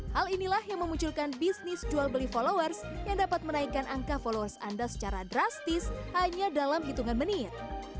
hal inilah yang memunculkan bisnis jual beli followers yang dapat menaikkan angka followers anda secara drastis hanya dalam hitungan menit